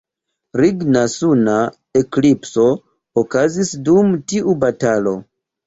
Ringa suna eklipso okazis dum tiu batalo.